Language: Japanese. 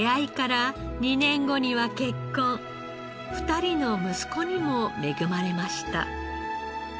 ２人の息子にも恵まれました。